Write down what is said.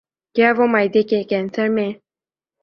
کہ وہ معدے کے کینسر میں